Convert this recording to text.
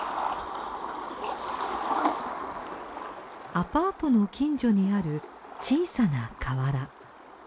アパートの近所にある小さな河原。